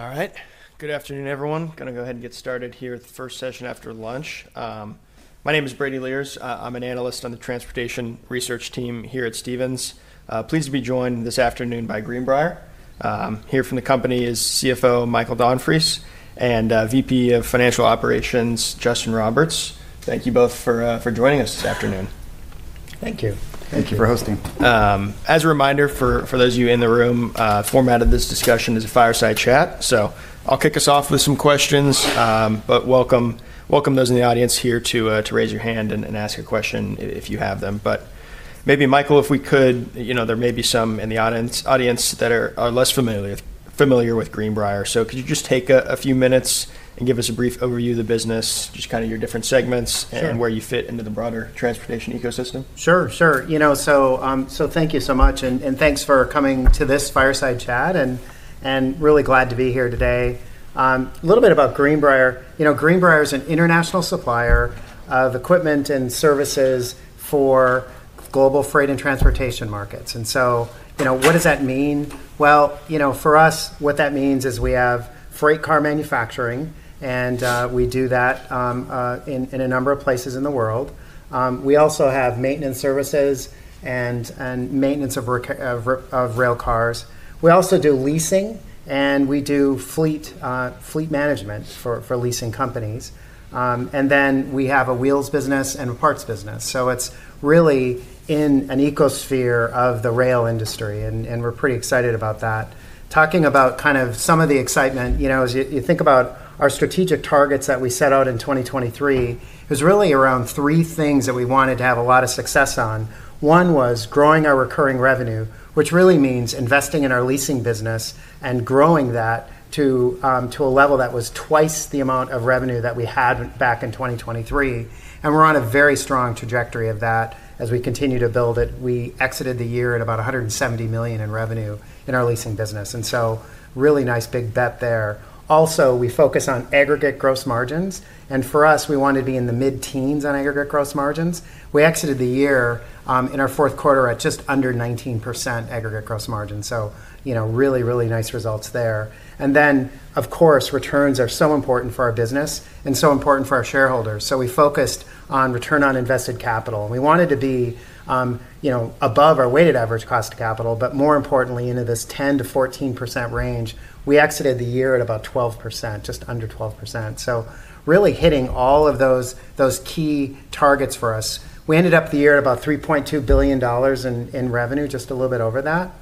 All right. Good afternoon, everyone. Going to go ahead and get started here with the first session after lunch. My name is Brady Lierz. I'm an analyst on the transportation research team here at Stephens. Pleased to be joined this afternoon by Greenbrier. Here from the company is CFO Michael Donfris and VP of Financial Operations Justin Roberts. Thank you both for joining us this afternoon. Thank you. Thank you for hosting. As a reminder for those of you in the room, formatted this discussion is a fireside chat. I'll kick us off with some questions, but welcome those in the audience here to raise your hand and ask a question if you have them. Maybe, Michael, if we could, there may be some in the audience that are less familiar with Greenbrier. Could you just take a few minutes and give us a brief overview of the business, just kind of your different segments and where you fit into the broader transportation ecosystem? Sure, sure. Thank you so much. Thanks for coming to this fireside chat. Really glad to be here today. A little bit about Greenbrier. Greenbrier is an international supplier of equipment and services for global freight and transportation markets. What does that mean? For us, what that means is we have freight car manufacturing. We do that in a number of places in the world. We also have maintenance services and maintenance of rail cars. We also do leasing. We do fleet management for leasing companies. We have a wheels business and a parts business. It is really in an ecosphere of the rail industry. We are pretty excited about that. Talking about kind of some of the excitement, you think about our strategic targets that we set out in 2023. It was really around three things that we wanted to have a lot of success on. One was growing our recurring revenue, which really means investing in our leasing business and growing that to a level that was twice the amount of revenue that we had back in 2023. We're on a very strong trajectory of that as we continue to build it. We exited the year at about $170 million in revenue in our leasing business. Really nice big bet there. Also, we focus on aggregate gross margins. For us, we wanted to be in the mid-teens on aggregate gross margins. We exited the year in our fourth quarter at just under 19% aggregate gross margin. Really, really nice results there. Of course, returns are so important for our business and so important for our shareholders. We focused on return on invested capital. We wanted to be above our weighted average cost of capital, but more importantly, into this 10%-14% range. We exited the year at about 12%, just under 12%. Really hitting all of those key targets for us. We ended up the year at about $3.2 billion in revenue, just a little bit over that.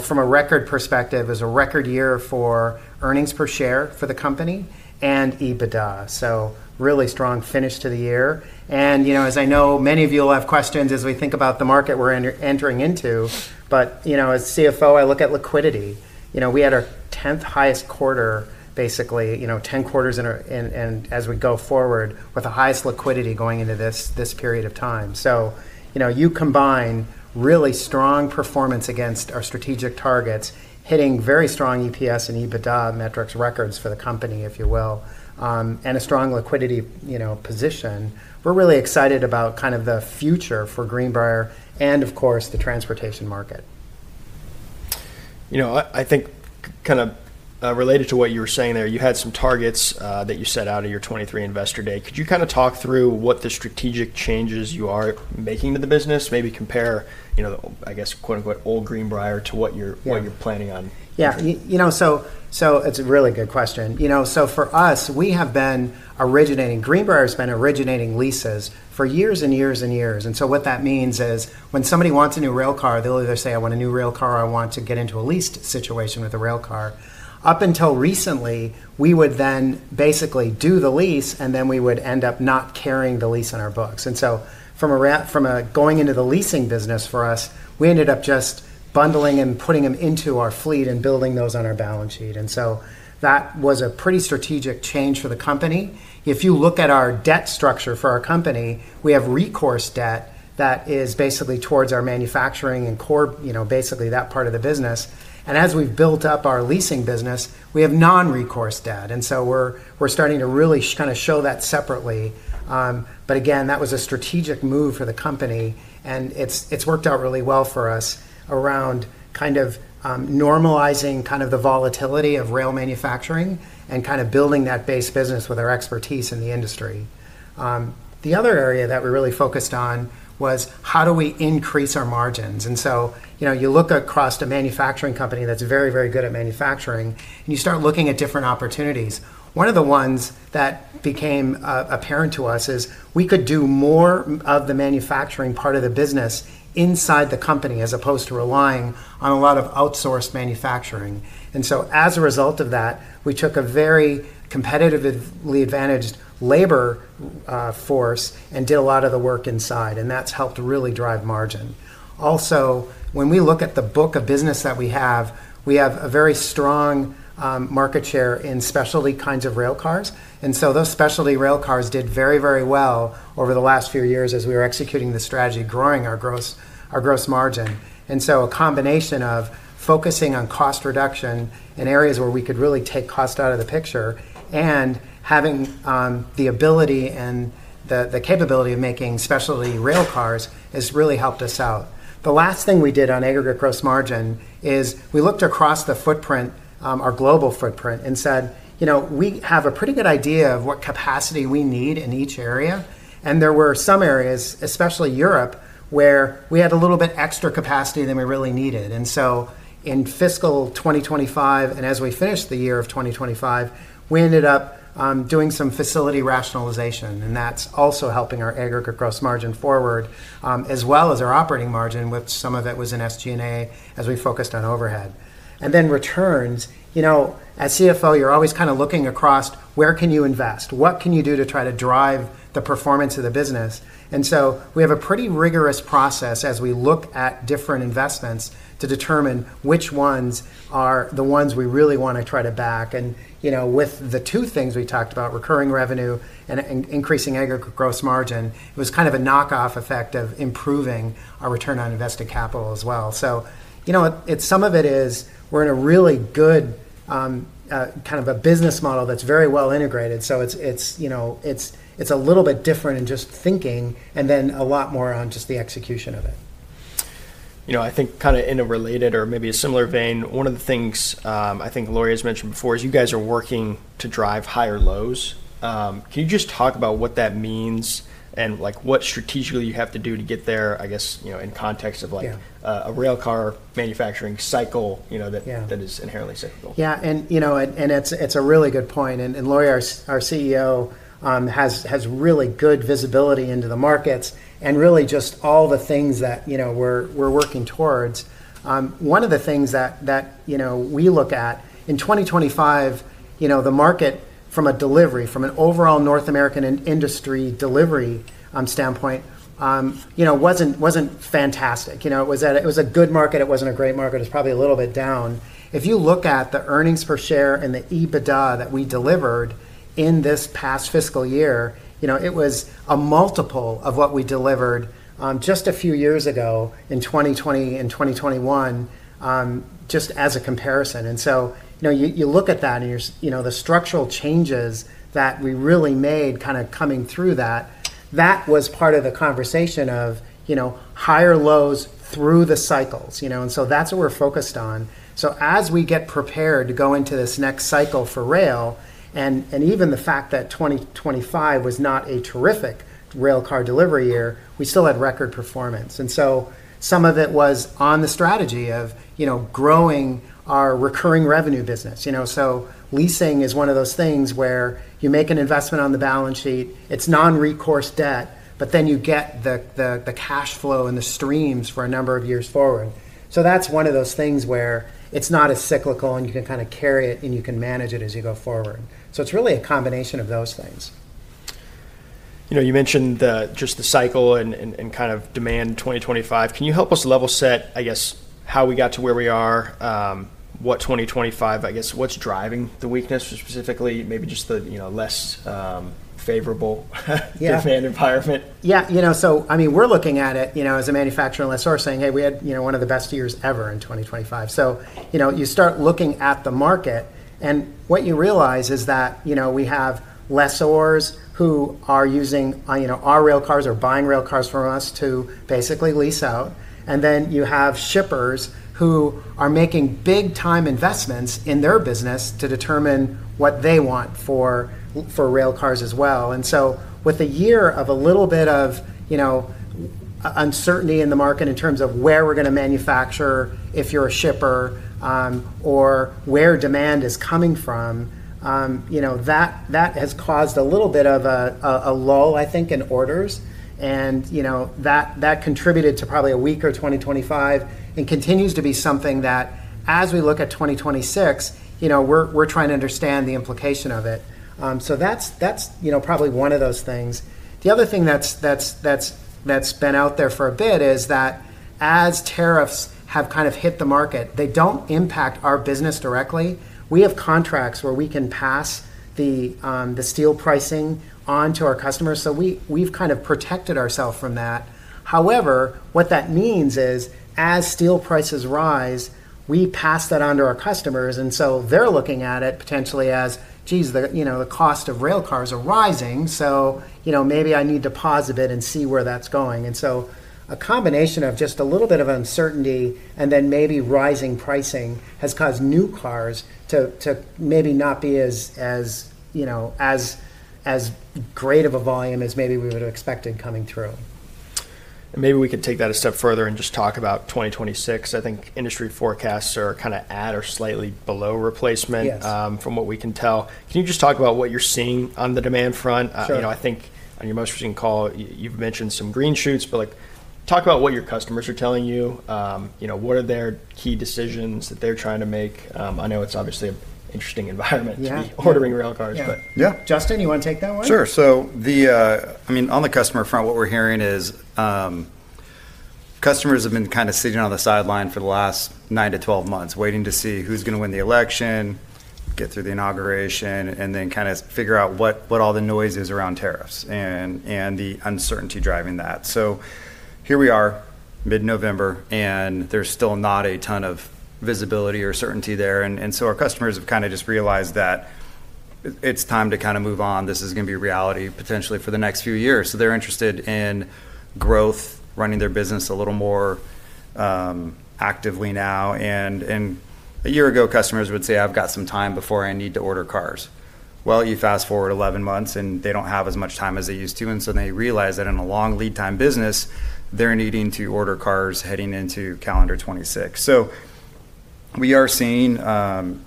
From a record perspective, it was a record year for earnings per share for the company and EBITDA. Really strong finish to the year. As I know, many of you will have questions as we think about the market we're entering into. As CFO, I look at liquidity. We had our 10th highest quarter, basically, 10 quarters as we go forward with the highest liquidity going into this period of time. You combine really strong performance against our strategic targets, hitting very strong EPS and EBITDA metrics records for the company, if you will, and a strong liquidity position. We're really excited about kind of the future for Greenbrier and, of course, the transportation market. I think kind of related to what you were saying there, you had some targets that you set out of your 2023 investor day. Could you kind of talk through what the strategic changes you are making to the business? Maybe compare, I guess, quote unquote, "Old Greenbrier" to what you're planning on. Yeah. It's a really good question. For us, we have been originating Greenbrier has been originating leases for years and years and years. What that means is when somebody wants a new railcar, they'll either say, "I want a new railcar," or, "I want to get into a leased situation with a railcar." Up until recently, we would then basically do the lease, and then we would end up not carrying the lease on our books. From going into the leasing business for us, we ended up just bundling and putting them into our fleet and building those on our balance sheet. That was a pretty strategic change for the company. If you look at our debt structure for our company, we have recourse debt that is basically towards our manufacturing and core, basically that part of the business. As we've built up our leasing business, we have non-recourse debt. We're starting to really kind of show that separately. That was a strategic move for the company. It's worked out really well for us around kind of normalizing the volatility of rail manufacturing and building that base business with our expertise in the industry. The other area that we really focused on was how do we increase our margins? You look across the manufacturing company that's very, very good at manufacturing, and you start looking at different opportunities. One of the ones that became apparent to us is we could do more of the manufacturing part of the business inside the company as opposed to relying on a lot of outsourced manufacturing. As a result of that, we took a very competitively advantaged labor force and did a lot of the work inside. That has helped really drive margin. Also, when we look at the book of business that we have, we have a very strong market share in specialty kinds of railcars. Those specialty railcars did very, very well over the last few years as we were executing the strategy, growing our gross margin. A combination of focusing on cost reduction in areas where we could really take cost out of the picture and having the ability and the capability of making specialty railcars has really helped us out. The last thing we did on aggregate gross margin is we looked across the footprint, our global footprint, and said, "We have a pretty good idea of what capacity we need in each area." There were some areas, especially Europe, where we had a little bit extra capacity than we really needed. In fiscal 2025, and as we finished the year of 2025, we ended up doing some facility rationalization. That is also helping our aggregate gross margin forward, as well as our operating margin, which some of it was in SG&A as we focused on overhead. Returns, as CFO, you're always kind of looking across where can you invest? What can you do to try to drive the performance of the business? We have a pretty rigorous process as we look at different investments to determine which ones are the ones we really want to try to back. With the two things we talked about, recurring revenue and increasing aggregate gross margin, it was kind of a knockoff effect of improving our return on invested capital as well. Some of it is we're in a really good kind of a business model that's very well integrated. It's a little bit different in just thinking and then a lot more on just the execution of it. I think kind of in a related or maybe a similar vein, one of the things I think Lorie has mentioned before is you guys are working to drive higher lows. Can you just talk about what that means and what strategically you have to do to get there, I guess, in context of a railcar manufacturing cycle that is inherently cyclical? Yeah. It's a really good point. Lorie, our CEO, has really good visibility into the markets and really just all the things that we're working towards. One of the things that we look at in 2025, the market from a delivery, from an overall North American industry delivery standpoint, wasn't fantastic. It was a good market. It wasn't a great market. It was probably a little bit down. If you look at the earnings per share and the EBITDA that we delivered in this past fiscal year, it was a multiple of what we delivered just a few years ago in 2020 and 2021, just as a comparison. You look at that and the structural changes that we really made kind of coming through that, that was part of the conversation of higher lows through the cycles. That's what we're focused on. As we get prepared to go into this next cycle for rail, and even the fact that 2025 was not a terrific railcar delivery year, we still had record performance. Some of it was on the strategy of growing our recurring revenue business. Leasing is one of those things where you make an investment on the balance sheet. It is non-recourse debt, but then you get the cash flow and the streams for a number of years forward. That is one of those things where it is not as cyclical and you can kind of carry it and you can manage it as you go forward. It is really a combination of those things. You mentioned just the cycle and kind of demand 2025. Can you help us level set, I guess, how we got to where we are, what 2025, I guess, what's driving the weakness, specifically maybe just the less favorable demand environment? Yeah. I mean, we're looking at it as a manufacturing lessor saying, "Hey, we had one of the best years ever in 2025." You start looking at the market. What you realize is that we have lessors who are using our railcars or buying railcars from us to basically lease out. You have shippers who are making big-time investments in their business to determine what they want for railcars as well. With a year of a little bit of uncertainty in the market in terms of where we're going to manufacture, if you're a shipper, or where demand is coming from, that has caused a little bit of a lull, I think, in orders. That contributed to probably a weaker 2025 and continues to be something that as we look at 2026, we're trying to understand the implication of it. That's probably one of those things. The other thing that's been out there for a bit is that as tariffs have kind of hit the market, they don't impact our business directly. We have contracts where we can pass the steel pricing onto our customers. We've kind of protected ourselves from that. However, what that means is as steel prices rise, we pass that on to our customers. They're looking at it potentially as, "Geez, the cost of rail cars are rising. Maybe I need to pause a bit and see where that's going. A combination of just a little bit of uncertainty and then maybe rising pricing has caused new cars to maybe not be as great of a volume as maybe we would have expected coming through. Maybe we could take that a step further and just talk about 2026. I think industry forecasts are kind of at or slightly below replacement from what we can tell. Can you just talk about what you're seeing on the demand front? I think on your most recent call, you've mentioned some green shoots, but talk about what your customers are telling you. What are their key decisions that they're trying to make? I know it's obviously an interesting environment to be ordering rail cars, but. Yeah. Justin, you want to take that one? Sure. I mean, on the customer front, what we're hearing is customers have been kind of sitting on the sideline for the last 9 to 12 months, waiting to see who's going to win the election, get through the inauguration, and then kind of figure out what all the noise is around tariffs and the uncertainty driving that. Here we are, mid-November, and there's still not a ton of visibility or certainty there. Our customers have kind of just realized that it's time to kind of move on. This is going to be reality potentially for the next few years. They're interested in growth, running their business a little more actively now. A year ago, customers would say, "I've got some time before I need to order cars." You fast forward 11 months, and they do not have as much time as they used to. They realize that in a long lead-time business, they are needing to order cars heading into calendar 2026. We are seeing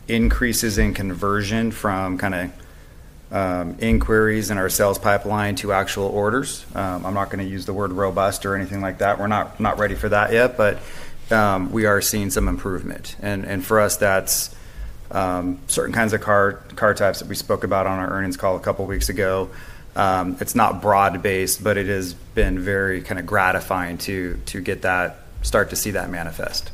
increases in conversion from kind of inquiries in our sales pipeline to actual orders. I am not going to use the word robust or anything like that. We are not ready for that yet, but we are seeing some improvement. For us, that is certain kinds of car types that we spoke about on our earnings call a couple of weeks ago. It is not broad-based, but it has been very kind of gratifying to start to see that manifest.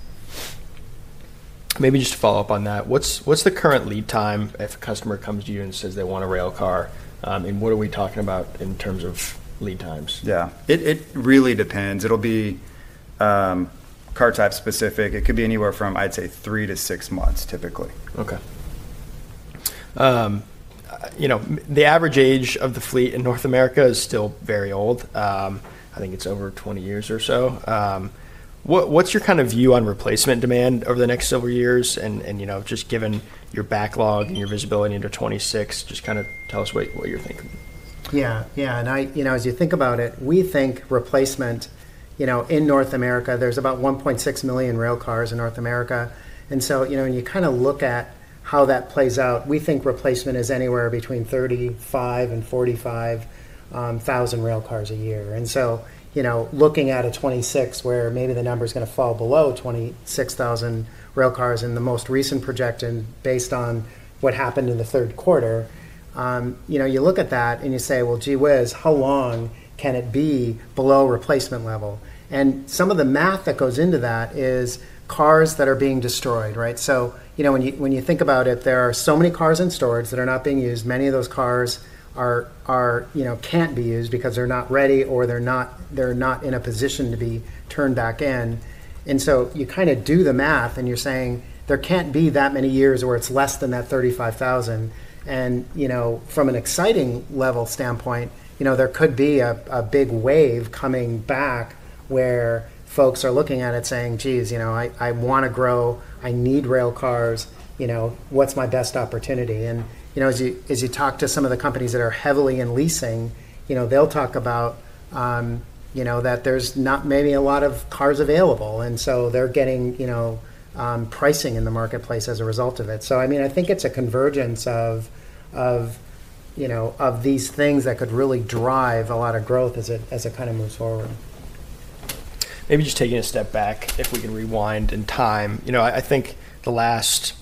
Maybe just to follow up on that, what's the current lead time if a customer comes to you and says they want a railcar? And what are we talking about in terms of lead times? Yeah. It really depends. It'll be car type specific. It could be anywhere from, I'd say, three to six months typically. Okay. The average age of the fleet in North America is still very old. I think it's over 20 years or so. What's your kind of view on replacement demand over the next several years? Just given your backlog and your visibility into 2026, just kind of tell us what you're thinking. Yeah. Yeah. As you think about it, we think replacement in North America, there's about 1.6 million railcars in North America. When you kind of look at how that plays out, we think replacement is anywhere between 35,000 and 45,000 railcars a year. Looking at a 2026 where maybe the number is going to fall below 26,000 railcars in the most recent projection based on what happened in the third quarter, you look at that and you say, "Gee whiz, how long can it be below replacement level?" Some of the math that goes into that is cars that are being destroyed, right? When you think about it, there are so many cars in storage that are not being used. Many of those cars can't be used because they're not ready or they're not in a position to be turned back in. You kind of do the math and you're saying there can't be that many years where it's less than that 35,000. From an exciting level standpoint, there could be a big wave coming back where folks are looking at it saying, "Geez, I want to grow. I need rail cars. What's my best opportunity?" As you talk to some of the companies that are heavily in leasing, they'll talk about that there's not maybe a lot of cars available. They're getting pricing in the marketplace as a result of it. I think it's a convergence of these things that could really drive a lot of growth as it kind of moves forward. Maybe just taking a step back, if we can rewind in time, I think the last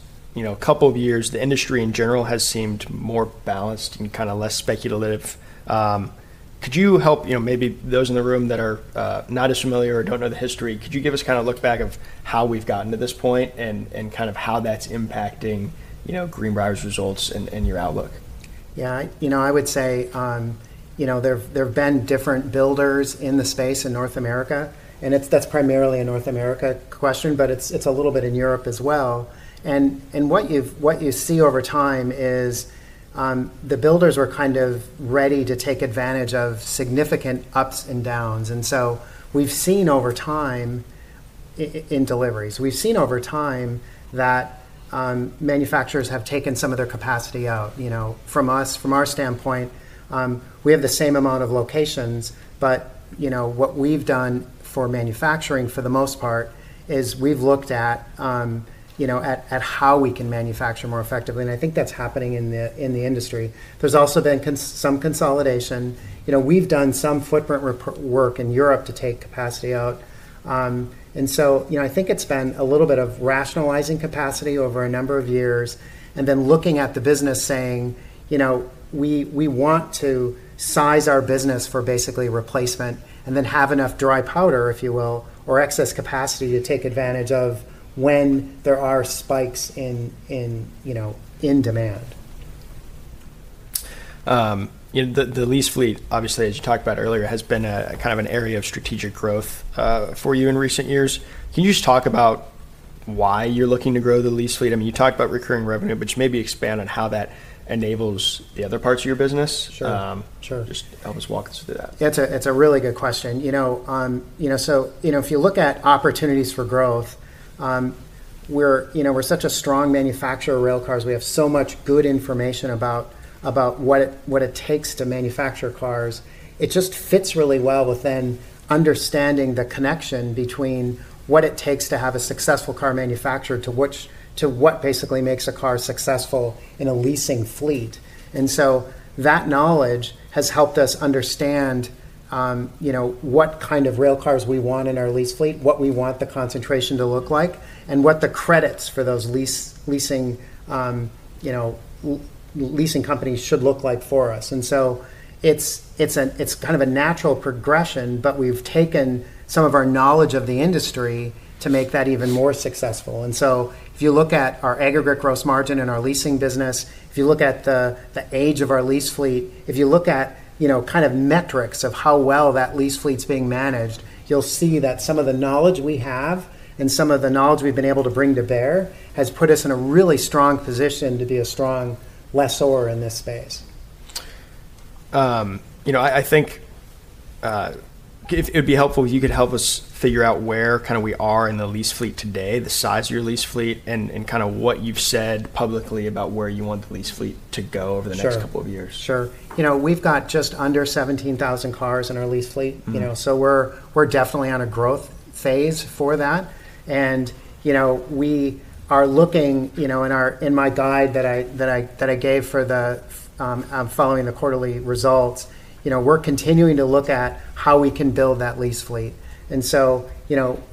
couple of years, the industry in general has seemed more balanced and kind of less speculative. Could you help maybe those in the room that are not as familiar or do not know the history, could you give us kind of a look back of how we have gotten to this point and kind of how that is impacting Greenbrier's results and your outlook? Yeah. I would say there have been different builders in the space in North America. That's primarily a North America question, but it's a little bit in Europe as well. What you see over time is the builders were kind of ready to take advantage of significant ups and downs. We've seen over time in deliveries, we've seen over time that manufacturers have taken some of their capacity out. From our standpoint, we have the same amount of locations, but what we've done for manufacturing for the most part is we've looked at how we can manufacture more effectively. I think that's happening in the industry. There's also been some consolidation. We've done some footprint work in Europe to take capacity out. I think it's been a little bit of rationalizing capacity over a number of years and then looking at the business saying, "We want to size our business for basically replacement and then have enough dry powder, if you will, or excess capacity to take advantage of when there are spikes in demand. The lease fleet, obviously, as you talked about earlier, has been kind of an area of strategic growth for you in recent years. Can you just talk about why you're looking to grow the lease fleet? I mean, you talked about recurring revenue, but can you maybe expand on how that enables the other parts of your business. Just help us walk us through that. Yeah. It's a really good question. If you look at opportunities for growth, we're such a strong manufacturer of railcars. We have so much good information about what it takes to manufacture cars. It just fits really well within understanding the connection between what it takes to have a successful car manufactured to what basically makes a car successful in a leasing fleet. That knowledge has helped us understand what kind of railcars we want in our lease fleet, what we want the concentration to look like, and what the credits for those leasing companies should look like for us. It's kind of a natural progression, but we've taken some of our knowledge of the industry to make that even more successful. If you look at our aggregate gross margin in our leasing business, if you look at the age of our lease fleet, if you look at kind of metrics of how well that lease fleet's being managed, you'll see that some of the knowledge we have and some of the knowledge we've been able to bring to bear has put us in a really strong position to be a strong lessor in this space. I think it would be helpful if you could help us figure out where kind of we are in the lease fleet today, the size of your lease fleet, and kind of what you've said publicly about where you want the lease fleet to go over the next couple of years. Sure. Sure. We've got just under 17,000 cars in our lease fleet. We're definitely on a growth phase for that. We are looking in my guide that I gave for the following the quarterly results, we're continuing to look at how we can build that lease fleet.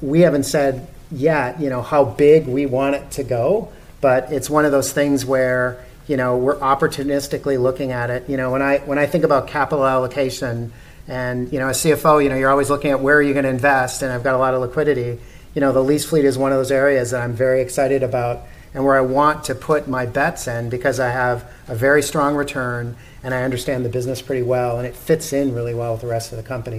We haven't said yet how big we want it to go, but it's one of those things where we're opportunistically looking at it. When I think about capital allocation and as CFO, you're always looking at where are you going to invest? I've got a lot of liquidity. The lease fleet is one of those areas that I'm very excited about and where I want to put my bets in because I have a very strong return and I understand the business pretty well. It fits in really well with the rest of the company.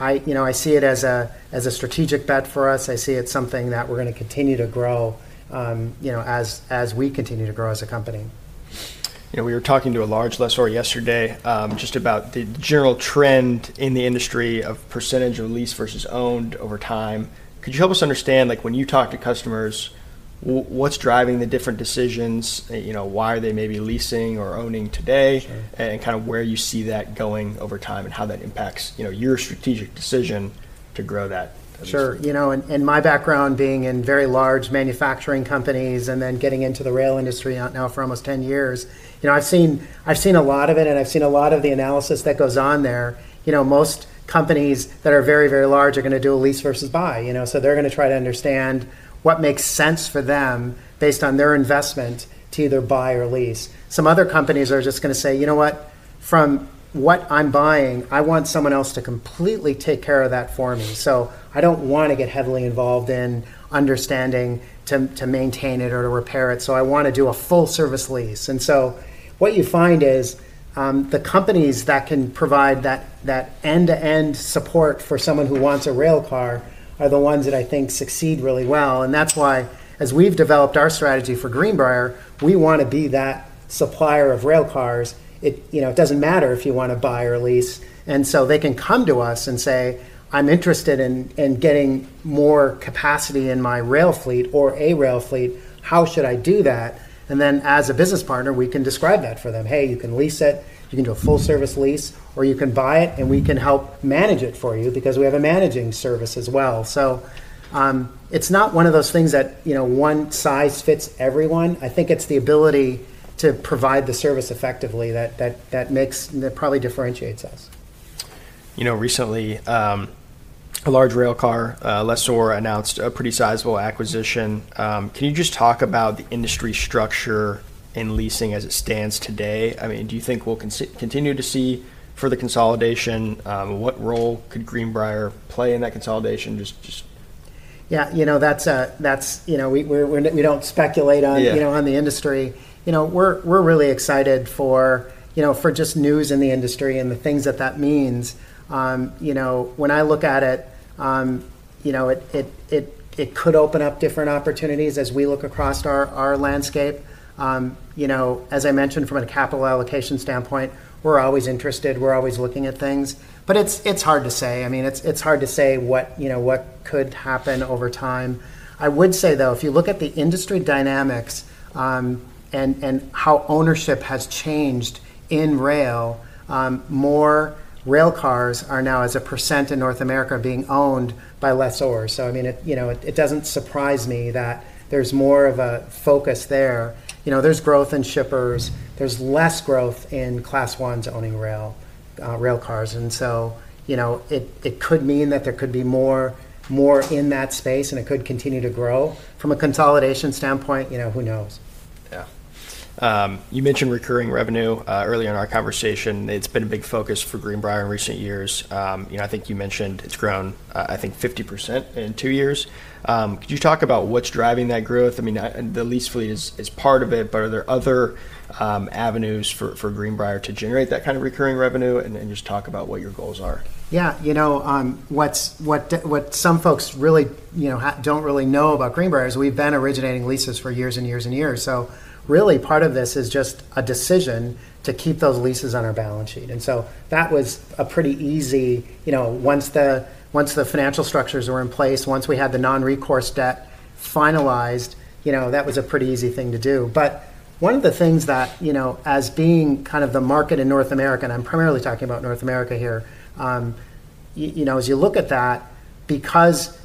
I see it as a strategic bet for us. I see it's something that we're going to continue to grow as we continue to grow as a company. We were talking to a large lessor yesterday just about the general trend in the industry of percentage of lease versus owned over time. Could you help us understand when you talk to customers, what's driving the different decisions? Why are they maybe leasing or owning today and kind of where you see that going over time and how that impacts your strategic decision to grow that? Sure. In my background, being in very large manufacturing companies and then getting into the rail industry now for almost 10 years, I've seen a lot of it and I've seen a lot of the analysis that goes on there. Most companies that are very, very large are going to do a lease versus buy. They're going to try to understand what makes sense for them based on their investment to either buy or lease. Some other companies are just going to say, "You know what? From what I'm buying, I want someone else to completely take care of that for me." I don't want to get heavily involved in understanding to maintain it or to repair it. I want to do a full-service lease. What you find is the companies that can provide that end-to-end support for someone who wants a rail car are the ones that I think succeed really well. That is why, as we have developed our strategy for Greenbrier, we want to be that supplier of rail cars. It does not matter if you want to buy or lease. They can come to us and say, "I'm interested in getting more capacity in my rail fleet or a rail fleet. How should I do that?" As a business partner, we can describe that for them. "Hey, you can lease it. You can do a full-service lease, or you can buy it, and we can help manage it for you because we have a managing service as well." It is not one of those things that one size fits everyone. I think it's the ability to provide the service effectively that probably differentiates us. Recently, a large railcar lessor announced a pretty sizable acquisition. Can you just talk about the industry structure in leasing as it stands today? I mean, do you think we'll continue to see further consolidation? What role could Greenbrier play in that consolidation? Yeah. We do not speculate on the industry. We are really excited for just news in the industry and the things that that means. When I look at it, it could open up different opportunities as we look across our landscape. As I mentioned, from a capital allocation standpoint, we are always interested. We are always looking at things. It is hard to say. I mean, it is hard to say what could happen over time. I would say, though, if you look at the industry dynamics and how ownership has changed in rail, more railcars are now, as a percent in North America, being owned by lessors. I mean, it does not surprise me that there is more of a focus there. There is growth in shippers. There is less growth in class ones owning railcars. It could mean that there could be more in that space, and it could continue to grow. From a consolidation standpoint, who knows? Yeah. You mentioned recurring revenue earlier in our conversation. It's been a big focus for Greenbrier in recent years. I think you mentioned it's grown, I think, 50% in two years. Could you talk about what's driving that growth? I mean, the lease fleet is part of it, but are there other avenues for Greenbrier to generate that kind of recurring revenue? Just talk about what your goals are. Yeah. What some folks really don't really know about Greenbrier is we've been originating leases for years and years and years. Part of this is just a decision to keep those leases on our balance sheet. That was a pretty easy, once the financial structures were in place, once we had the non-recourse debt finalized, that was a pretty easy thing to do. One of the things that, as being kind of the market in North America, and I'm primarily talking about North America here, as you look at that, because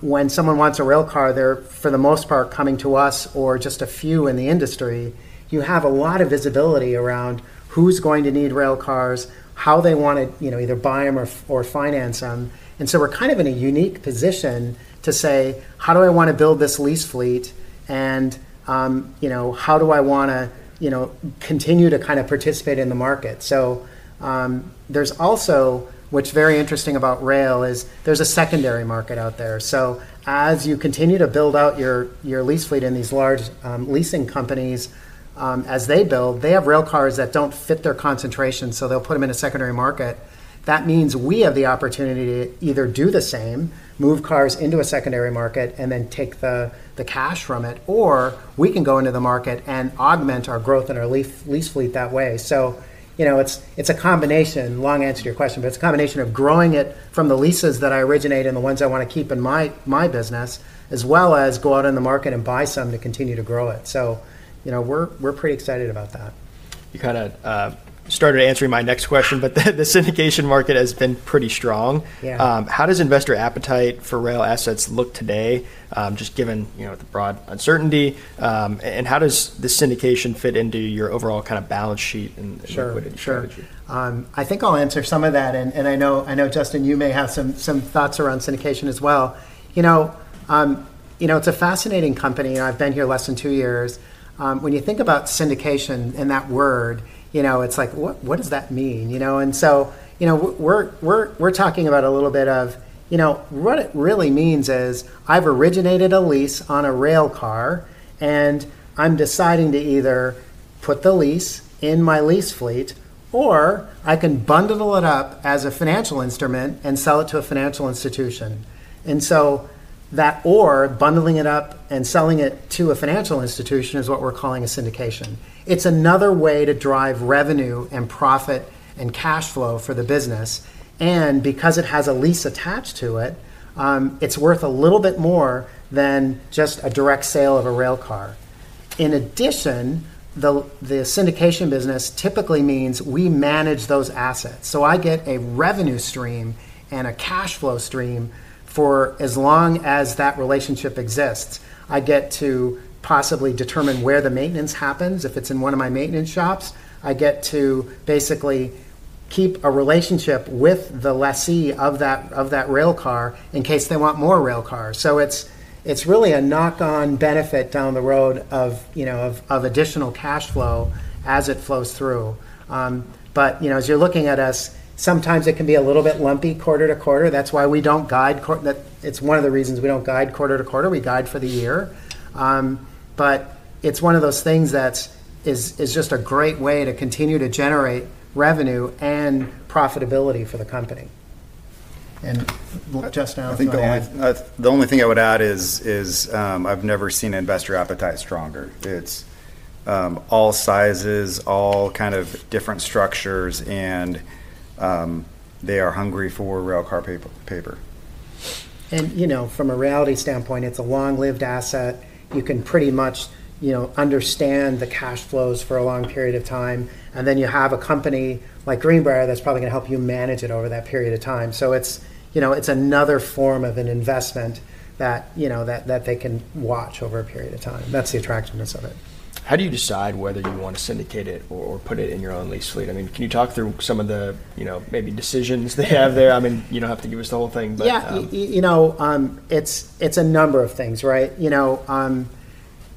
when someone wants a railcar, they're, for the most part, coming to us or just a few in the industry, you have a lot of visibility around who's going to need railcars, how they want to either buy them or finance them. We are kind of in a unique position to say, "How do I want to build this lease fleet? And how do I want to continue to kind of participate in the market?" There is also, which is very interesting about rail, a secondary market out there. As you continue to build out your lease fleet in these large leasing companies, as they build, they have railcars that do not fit their concentration, so they will put them in a secondary market. That means we have the opportunity to either do the same, move cars into a secondary market, and then take the cash from it, or we can go into the market and augment our growth in our lease fleet that way. It's a combination, long answer to your question, but it's a combination of growing it from the leases that I originate and the ones I want to keep in my business, as well as go out in the market and buy some to continue to grow it. We're pretty excited about that. You kind of started answering my next question, but the syndication market has been pretty strong. How does investor appetite for rail assets look today, just given the broad uncertainty? How does the syndication fit into your overall kind of balance sheet and liquidity strategy? Sure. I think I'll answer some of that. I know, Justin, you may have some thoughts around syndication as well. It's a fascinating company. I've been here less than two years. When you think about syndication and that word, it's like, "What does that mean?" We're talking about a little bit of what it really means is I've originated a lease on a railcar, and I'm deciding to either put the lease in my lease fleet, or I can bundle it up as a financial instrument and sell it to a financial institution. That or bundling it up and selling it to a financial institution is what we're calling a syndication. It's another way to drive revenue and profit and cash flow for the business. Because it has a lease attached to it, it's worth a little bit more than just a direct sale of a railcar. In addition, the syndication business typically means we manage those assets. I get a revenue stream and a cash flow stream for as long as that relationship exists. I get to possibly determine where the maintenance happens. If it's in one of my maintenance shops, I get to basically keep a relationship with the lessee of that railcar in case they want more railcars. It's really a knock-on benefit down the road of additional cash flow as it flows through. As you're looking at us, sometimes it can be a little bit lumpy quarter to quarter. That's why we don't guide, it's one of the reasons we don't guide quarter to quarter. We guide for the year. It is one of those things that is just a great way to continue to generate revenue and profitability for the company. Just now. I think the only thing I would add is I've never seen investor appetite stronger. It's all sizes, all kind of different structures, and they are hungry for railcar paper. From a reality standpoint, it's a long-lived asset. You can pretty much understand the cash flows for a long period of time. You have a company like Greenbrier that's probably going to help you manage it over that period of time. It's another form of an investment that they can watch over a period of time. That's the attractiveness of it. How do you decide whether you want to syndicate it or put it in your own lease fleet? I mean, can you talk through some of the maybe decisions they have there? I mean, you don't have to give us the whole thing, but. Yeah. It's a number of things, right?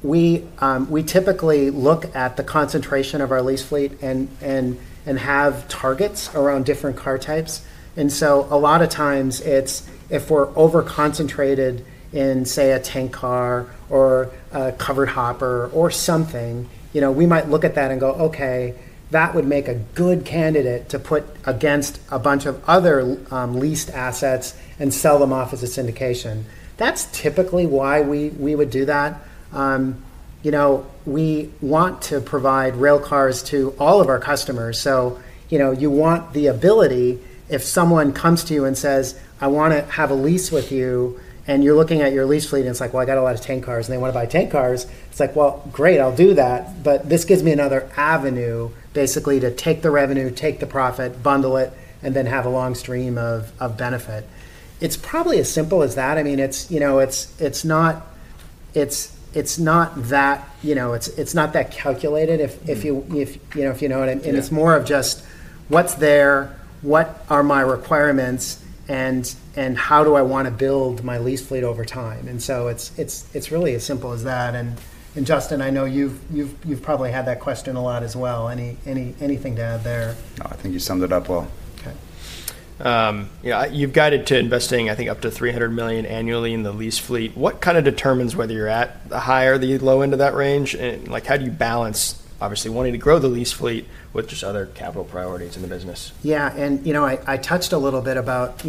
We typically look at the concentration of our lease fleet and have targets around different car types. A lot of times, if we're over-concentrated in, say, a tank car or a covered hopper or something, we might look at that and go, "Okay, that would make a good candidate to put against a bunch of other leased assets and sell them off as a syndication." That's typically why we would do that. We want to provide railcars to all of our customers. You want the ability if someone comes to you and says, "I want to have a lease with you," and you're looking at your lease fleet and it's like, "Well, I got a lot of tank cars," and they want to buy tank cars. It's like, "Great, I'll do that, but this gives me another avenue basically to take the revenue, take the profit, bundle it, and then have a long stream of benefit." It's probably as simple as that. I mean, it's not that calculated, if you know what I mean. It's more of just what's there, what are my requirements, and how do I want to build my lease fleet over time. It's really as simple as that. Justin, I know you've probably had that question a lot as well. Anything to add there? No, I think you summed it up well. Okay. You've guided to investing, I think, up to $300 million annually in the lease fleet. What kind of determines whether you're at the high or the low end of that range? How do you balance, obviously, wanting to grow the lease fleet with just other capital priorities in the business? Yeah. I touched a little bit about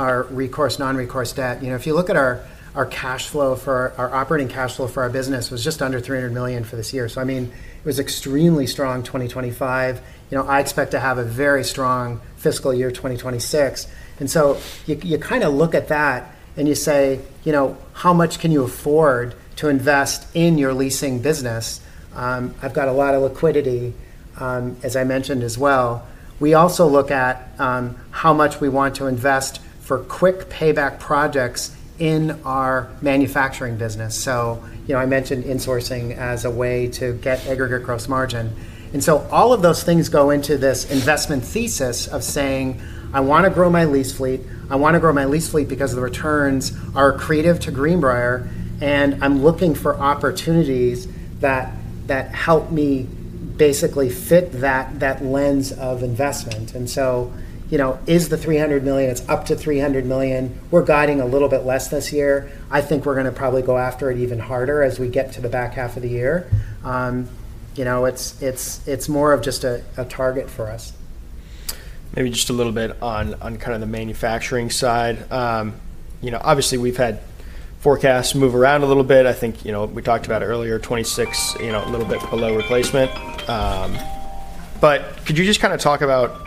our recourse, non-recourse debt. If you look at our cash flow for our operating cash flow for our business, it was just under $300 million for this year. I mean, it was extremely strong 2025. I expect to have a very strong fiscal year 2026. You kind of look at that and you say, "How much can you afford to invest in your leasing business? I've got a lot of liquidity," as I mentioned as well. We also look at how much we want to invest for quick payback projects in our manufacturing business. I mentioned insourcing as a way to get aggregate gross margin. All of those things go into this investment thesis of saying, "I want to grow my lease fleet. I want to grow my lease fleet because the returns are accretive to Greenbrier, and I'm looking for opportunities that help me basically fit that lens of investment. Is the $300 million? It's up to $300 million. We're guiding a little bit less this year. I think we're going to probably go after it even harder as we get to the back half of the year. It's more of just a target for us. Maybe just a little bit on kind of the manufacturing side. Obviously, we've had forecasts move around a little bit. I think we talked about it earlier, 2026, a little bit below replacement. Could you just kind of talk about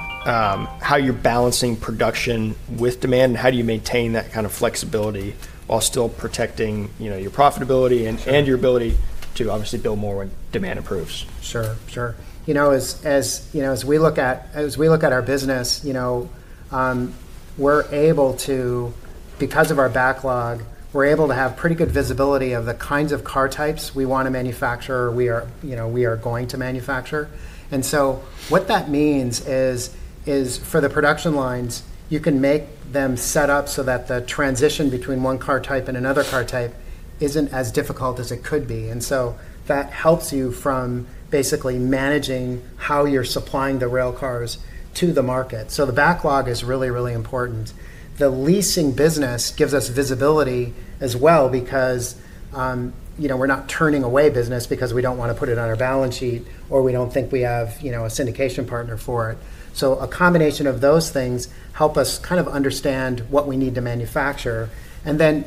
how you're balancing production with demand and how do you maintain that kind of flexibility while still protecting your profitability and your ability to obviously build more when demand improves? Sure. Sure. As we look at our business, we're able to, because of our backlog, we're able to have pretty good visibility of the kinds of car types we want to manufacture or we are going to manufacture. What that means is for the production lines, you can make them set up so that the transition between one car type and another car type isn't as difficult as it could be. That helps you from basically managing how you're supplying the railcars to the market. The backlog is really, really important. The leasing business gives us visibility as well because we're not turning away business because we don't want to put it on our balance sheet or we don't think we have a syndication partner for it. A combination of those things help us kind of understand what we need to manufacture.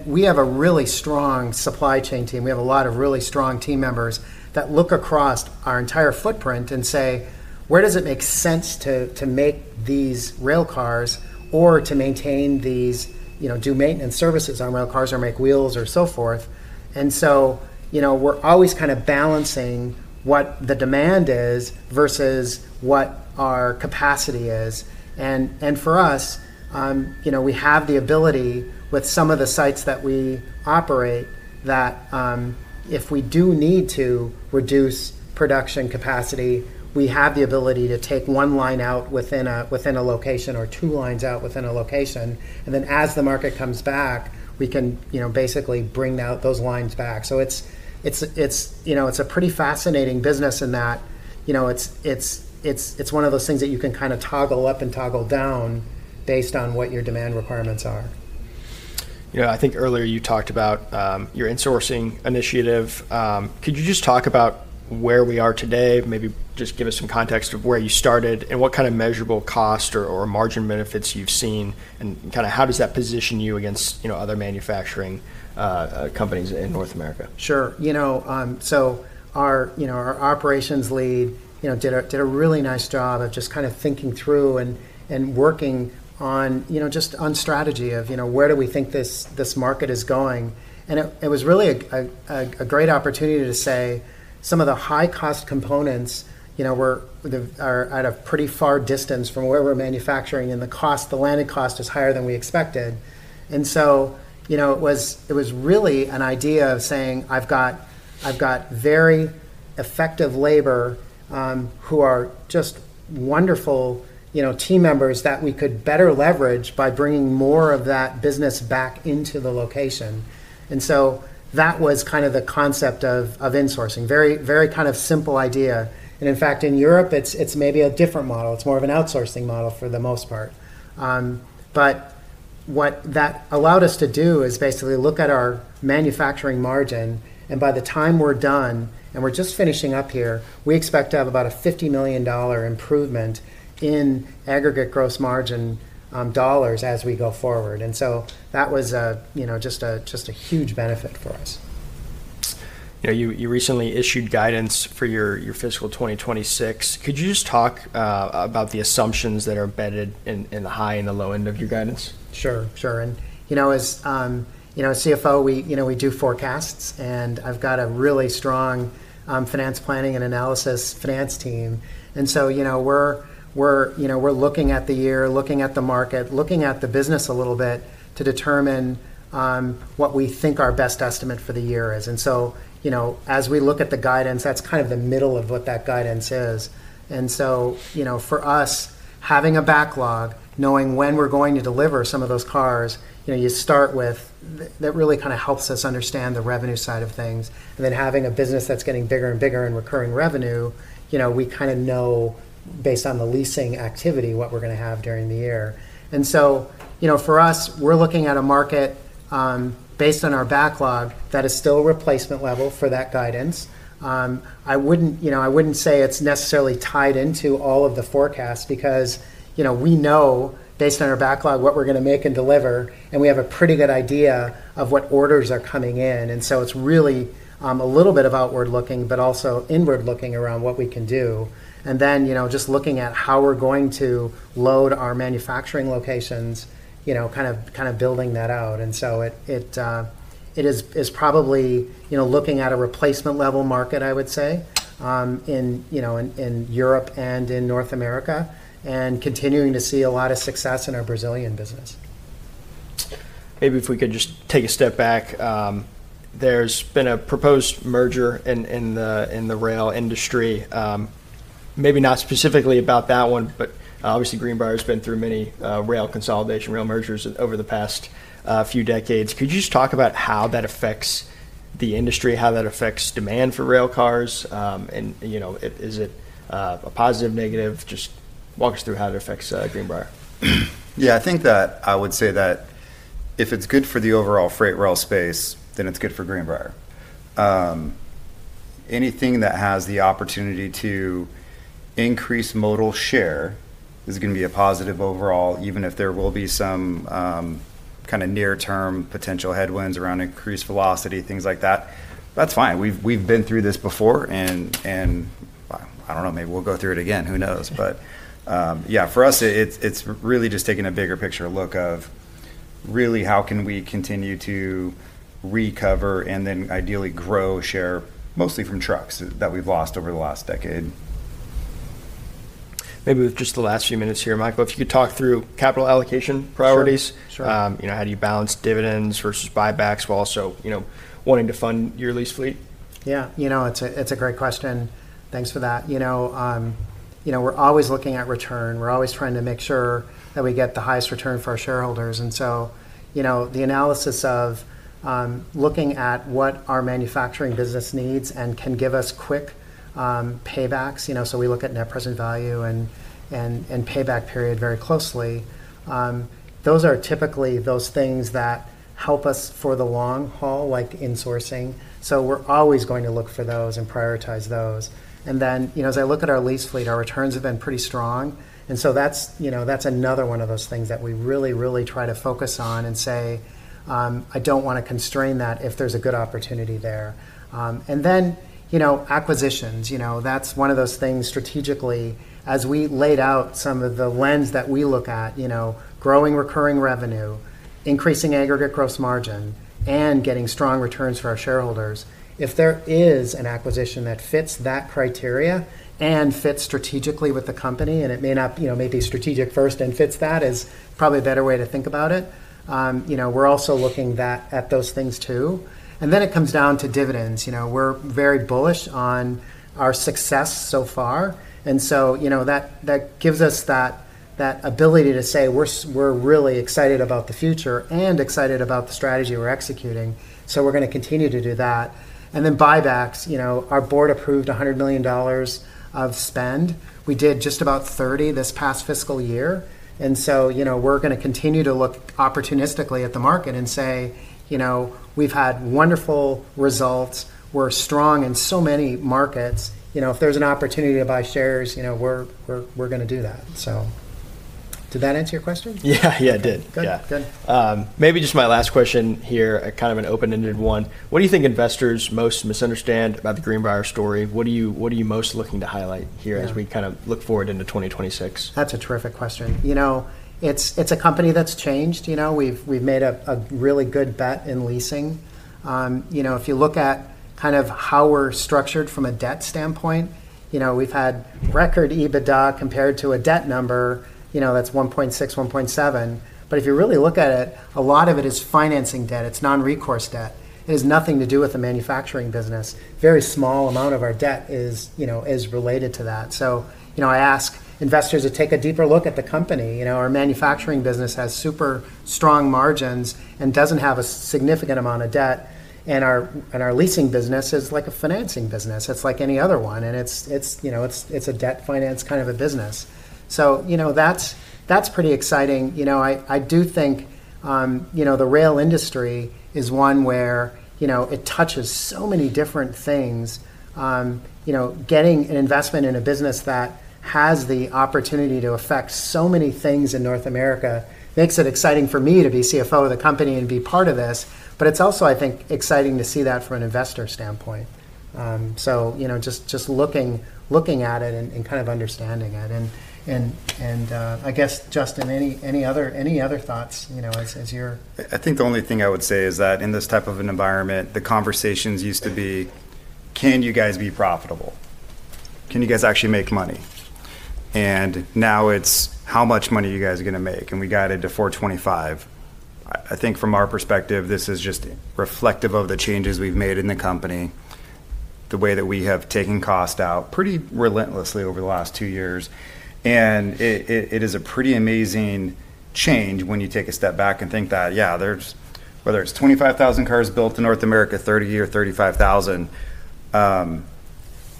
We have a really strong supply chain team. We have a lot of really strong team members that look across our entire footprint and say, "Where does it make sense to make these rail cars or to maintain these, do maintenance services on rail cars or make wheels or so forth?" We are always kind of balancing what the demand is versus what our capacity is. For us, we have the ability with some of the sites that we operate that if we do need to reduce production capacity, we have the ability to take one line out within a location or two lines out within a location. As the market comes back, we can basically bring those lines back. It's a pretty fascinating business in that it's one of those things that you can kind of toggle up and toggle down based on what your demand requirements are. Yeah. I think earlier you talked about your insourcing initiative. Could you just talk about where we are today? Maybe just give us some context of where you started and what kind of measurable cost or margin benefits you've seen and kind of how does that position you against other manufacturing companies in North America? Sure. Our operations lead did a really nice job of just kind of thinking through and working just on strategy of where do we think this market is going. It was really a great opportunity to say some of the high-cost components are at a pretty far distance from where we're manufacturing, and the cost, the landed cost, is higher than we expected. It was really an idea of saying, "I've got very effective labor who are just wonderful team members that we could better leverage by bringing more of that business back into the location." That was kind of the concept of insourcing. Very kind of simple idea. In fact, in Europe, it's maybe a different model. It's more of an outsourcing model for the most part. What that allowed us to do is basically look at our manufacturing margin. By the time we're done and we're just finishing up here, we expect to have about a $50 million improvement in aggregate gross margin dollars as we go forward. That was just a huge benefit for us. Yeah. You recently issued guidance for your fiscal 2026. Could you just talk about the assumptions that are embedded in the high and the low end of your guidance? Sure. Sure. As CFO, we do forecasts, and I've got a really strong finance planning and analysis finance team. We are looking at the year, looking at the market, looking at the business a little bit to determine what we think our best estimate for the year is. As we look at the guidance, that's kind of the middle of what that guidance is. For us, having a backlog, knowing when we're going to deliver some of those cars, you start with that really kind of helps us understand the revenue side of things. Having a business that's getting bigger and bigger and recurring revenue, we kind of know based on the leasing activity what we're going to have during the year. For us, we're looking at a market based on our backlog that is still replacement level for that guidance. I wouldn't say it's necessarily tied into all of the forecasts because we know based on our backlog what we're going to make and deliver, and we have a pretty good idea of what orders are coming in. It's really a little bit of outward looking, but also inward looking around what we can do. Just looking at how we're going to load our manufacturing locations, kind of building that out. It is probably looking at a replacement level market, I would say, in Europe and in North America and continuing to see a lot of success in our Brazilian business. Maybe if we could just take a step back. There's been a proposed merger in the rail industry. Maybe not specifically about that one, but obviously, Greenbrier has been through many rail consolidation, rail mergers over the past few decades. Could you just talk about how that affects the industry, how that affects demand for rail cars? Is it a positive, negative? Just walk us through how it affects Greenbrier. Yeah. I think that I would say that if it's good for the overall freight rail space, then it's good for Greenbrier. Anything that has the opportunity to increase modal share is going to be a positive overall, even if there will be some kind of near-term potential headwinds around increased velocity, things like that. That's fine. We've been through this before, and I don't know, maybe we'll go through it again. Who knows? Yeah, for us, it's really just taking a bigger picture look of really how can we continue to recover and then ideally grow share mostly from trucks that we've lost over the last decade. Maybe with just the last few minutes here, Michael, if you could talk through capital allocation priorities. How do you balance dividends versus buybacks while also wanting to fund your lease fleet? Yeah. It's a great question. Thanks for that. We're always looking at return. We're always trying to make sure that we get the highest return for our shareholders. The analysis of looking at what our manufacturing business needs and can give us quick paybacks. We look at net present value and payback period very closely. Those are typically those things that help us for the long haul, like insourcing. We're always going to look for those and prioritize those. As I look at our lease fleet, our returns have been pretty strong. That's another one of those things that we really, really try to focus on and say, "I don't want to constrain that if there's a good opportunity there." Acquisitions. That's one of those things strategically, as we laid out some of the lens that we look at, growing recurring revenue, increasing aggregate gross margin, and getting strong returns for our shareholders. If there is an acquisition that fits that criteria and fits strategically with the company, and it may not be strategic first and fits that is probably a better way to think about it. We're also looking at those things too. It comes down to dividends. We're very bullish on our success so far. That gives us that ability to say we're really excited about the future and excited about the strategy we're executing. We're going to continue to do that. Buybacks, our board approved $100 million of spend. We did just about $30 million this past fiscal year. We are going to continue to look opportunistically at the market and say we've had wonderful results. We are strong in so many markets. If there is an opportunity to buy shares, we are going to do that. Did that answer your question? Yeah. Yeah, it did. Good. Good. Maybe just my last question here, kind of an open-ended one. What do you think investors most misunderstand about the Greenbrier story? What are you most looking to highlight here as we kind of look forward into 2026? That's a terrific question. It's a company that's changed. We've made a really good bet in leasing. If you look at kind of how we're structured from a debt standpoint, we've had record EBITDA compared to a debt number that's 1.6, 1.7. If you really look at it, a lot of it is financing debt. It's non-recourse debt. It has nothing to do with the manufacturing business. Very small amount of our debt is related to that. I ask investors to take a deeper look at the company. Our manufacturing business has super strong margins and doesn't have a significant amount of debt. Our leasing business is like a financing business. It's like any other one. It's a debt finance kind of a business. That's pretty exciting. I do think the rail industry is one where it touches so many different things. Getting an investment in a business that has the opportunity to affect so many things in North America makes it exciting for me to be CFO of the company and be part of this. It's also, I think, exciting to see that from an investor standpoint. Just looking at it and kind of understanding it. I guess, Justin, any other thoughts as you're? I think the only thing I would say is that in this type of an environment, the conversations used to be, "Can you guys be profitable? Can you guys actually make money?" Now it's, "How much money are you guys going to make?" We got it to $425. I think from our perspective, this is just reflective of the changes we've made in the company, the way that we have taken cost out pretty relentlessly over the last two years. It is a pretty amazing change when you take a step back and think that, yeah, whether it's 25,000 cars built in North America, 30 or 35,000,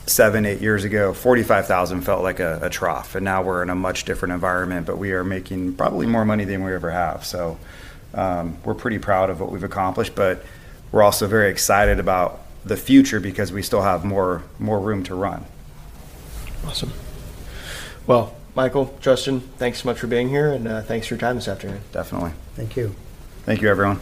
seven, eight years ago, 45,000 felt like a trough. Now we're in a much different environment, but we are making probably more money than we ever have. We're pretty proud of what we've accomplished, but we're also very excited about the future because we still have more room to run. Awesome. Michael, Justin, thanks so much for being here, and thanks for your time this afternoon. Definitely. Thank you. Thank you, everyone.